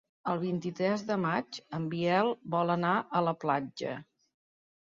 El vint-i-tres de maig en Biel vol anar a la platja.